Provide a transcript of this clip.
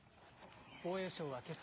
防衛省はけさ